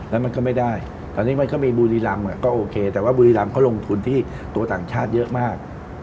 แล้วมันก็ไม่ได้ตอนนี้มันก็มีบุรีรำก็โอเคแต่ว่าบุรีรำเขาลงทุนที่ตัวต่างชาติเยอะมาก